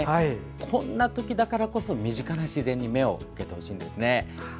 こんなときだからこそ身近な自然に目を向けてほしいんですね。